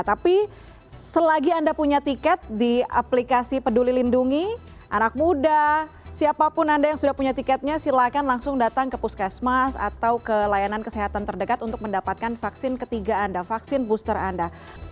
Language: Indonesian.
tapi selagi anda punya tiket di aplikasi peduli lindungi anak muda siapapun anda yang sudah punya tiketnya silakan langsung datang ke puskesmas atau ke layanan kesehatan terdekat untuk mendapatkan vaksin ketiga anda vaksin booster anda